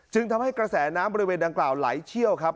ซึ่งทำให้กระแสมันบริเวณด้านกล่าวหลายเชี่ยวครับ